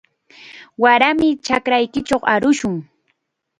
Waraymi chakraykichaw arushun.